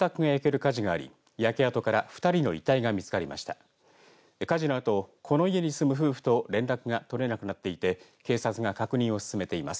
火事のあと、この家に住む夫婦と連絡が取れなくなっていて警察が確認を進めています。